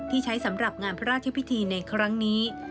ใช้สำหรับงานพระราชพิธีในครั้งนี้